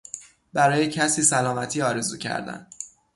برای کسی سلامتی آرزو کردن